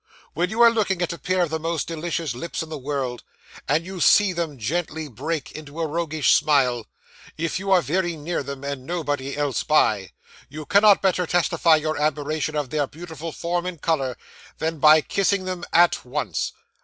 When you are looking at a pair of the most delicious lips in the world, and see them gently break into a roguish smile if you are very near them, and nobody else by you cannot better testify your admiration of their beautiful form and colour than by kissing them at once.